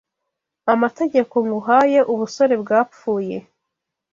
Amategeko nguhaye Ubusore bwapfuye